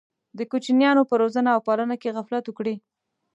د کوچنیانو په روزنه او پالنه کې غفلت وکړي.